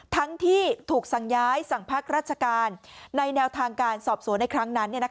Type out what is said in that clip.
ทั้งที่ถูกสั่งย้ายสั่งพักราชการในแนวทางการสอบสวนในครั้งนั้น